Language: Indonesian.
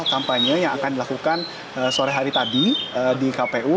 kampanye yang akan dilakukan sore hari tadi di kpu